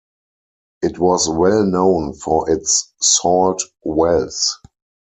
It was well known for its salt wells.